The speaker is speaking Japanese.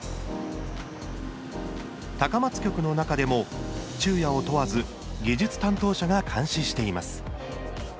高松局の中でも、昼夜を問わず技術担当者が監視しています。